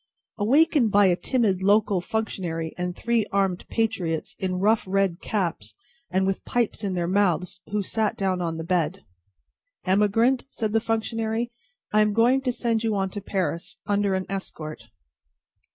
Awakened by a timid local functionary and three armed patriots in rough red caps and with pipes in their mouths, who sat down on the bed. "Emigrant," said the functionary, "I am going to send you on to Paris, under an escort."